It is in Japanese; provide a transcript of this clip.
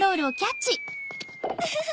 ウフフ！